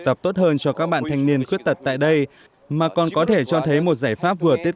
tập tốt hơn cho các bạn thanh niên khuyết tật tại đây mà còn có thể cho thấy một giải pháp vừa tiết